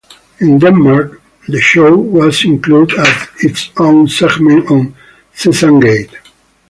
In Denmark, the show was included as its own segment on "Sesamgade".